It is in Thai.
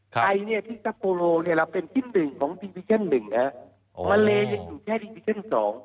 ไทยเนี่ยที่ซัปโปโลเนี่ยเราเป็นที่หนึ่งของพรีวิชั่น๑นะฮะมาเลยังอยู่แค่ดิวิชั่น๒